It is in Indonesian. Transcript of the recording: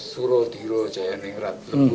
suro tiro jayaning ratu buruk